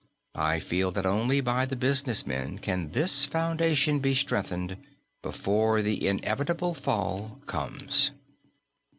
I feel that only by the business men can this foundation be strengthened before the inevitable fall comes.